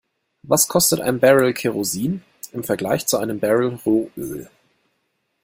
Was kostet ein Barrel Kerosin im Vergleich zu einem Barrel Rohöl?